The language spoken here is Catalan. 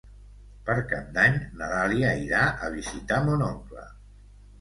Per Cap d'Any na Dàlia irà a visitar mon oncle.